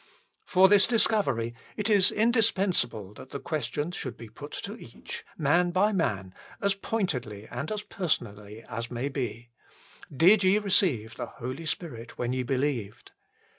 For this discovery, it is indispensable that the question should be put to each, man by man, as pointedly and as personally as may be :" Did ye receive the Holy Spirit when ye believed